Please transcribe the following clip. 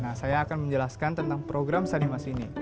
nah saya akan menjelaskan tentang program sanimas ini